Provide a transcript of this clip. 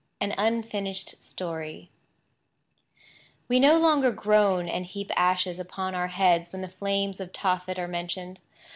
AN UNFINISHED STORY We no longer groan and heap ashes upon our heads when the flames of Tophet are mentioned.